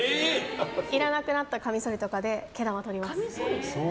いらなくなった剃刀とかで毛玉取ります。